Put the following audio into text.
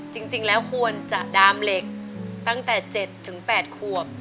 จริงแล้วควรจะดามเหล็กตั้งแต่๗๘ขวบ